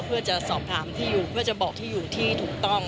เพื่อจะสอบถามที่อยู่เพื่อจะบอกที่อยู่ที่ถูกต้อง